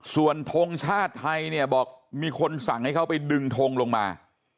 ส่วนทงชาติไทยเนี่ยบอกมีคนสั่งให้เขาไปดึงทงลงมา